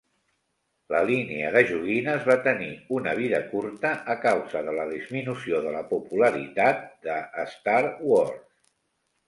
La línia de joguines va tenir una vida curta a causa de la disminució de la popularitat de Star Wars.